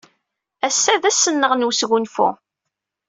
Ass-a d ass-nneɣ n wesgunfu.